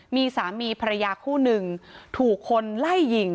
มีสามีภรรยาคู่หนึ่งถูกคนไล่ยิง